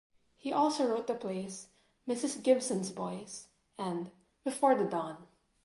He also wrote the plays "Mrs. Gibbons' Boys" and "Before the Dawn".